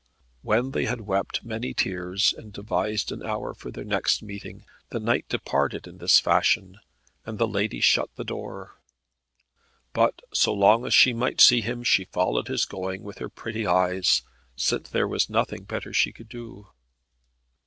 When they had wept many tears, and devised an hour for their next meeting, the knight departed in this fashion, and the lady shut the door. But so long as she might see him, she followed his going with her pretty eyes, since there was nothing better she could do.